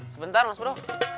sebentar mas bro